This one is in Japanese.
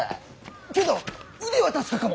けど腕は確かかも。